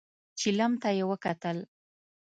چيلم ته يې وکتل.